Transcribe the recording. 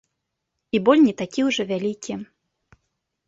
І боль не такі ўжо вялікі.